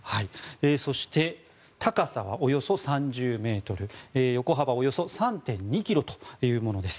そして、高さはおよそ３０ｍ横幅およそ３．２ｋｍというものです。